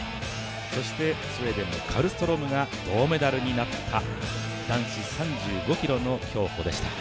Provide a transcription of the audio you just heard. そして、スウェーデンのカルストロームが銅メダルになった男子３５ｋｍの競歩でした。